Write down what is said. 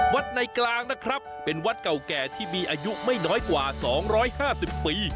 ในกลางนะครับเป็นวัดเก่าแก่ที่มีอายุไม่น้อยกว่า๒๕๐ปี